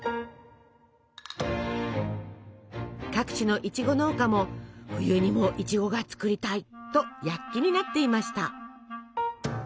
各地のいちご農家も「冬にもいちごが作りたい」と躍起になっていました。